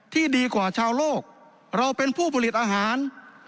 ที่ดีกว่าชาวโลกเราเป็นผู้ผลิตอาหาร